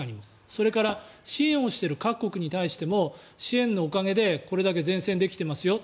それから、支援をしている各国に対しても支援のおかげでこれだけ善戦できていますよ